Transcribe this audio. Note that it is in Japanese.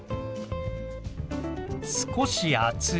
少し暑い。